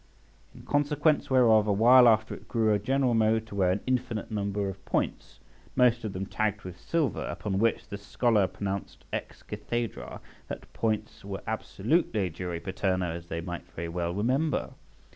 In consequence whereof, a while after it grew a general mode to wear an infinite number of points, most of them tagged with silver; upon which the scholar pronounced ex cathedrâ {80a} that points were absolutely jure paterno as they might very well remember.